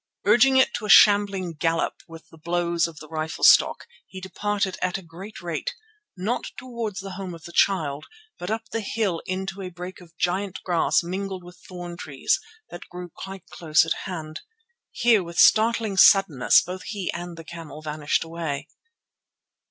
Urging it to a shambling gallop with blows of the rifle stock, he departed at a great rate, not towards the home of the Child but up the hill into a brake of giant grass mingled with thorn trees that grew quite close at hand. Here with startling suddenness both he and the camel vanished away.